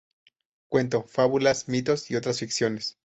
Cuento: Fábulas, mitos y otras ficciones.